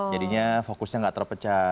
jadinya fokusnya nggak terpecah